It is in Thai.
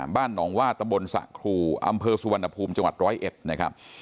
บ้านหนองว่าตำบลสระครูอำเภอสุวรรณภูมิจังหวัดร้อยเอ็ดนะครับ